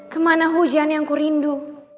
kemana hujan yang ku rindu